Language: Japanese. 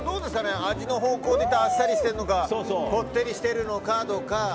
味はあっさりしてるのかこってりしてるのかとか。